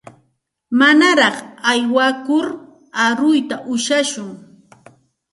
Manaraq aywakur aruyta ushashun.